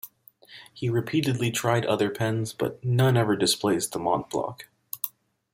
He repeatedly tried other pens, but none ever displaced the Montblanc.